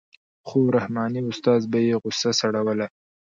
خو رحماني استاد به یې غوسه سړوله.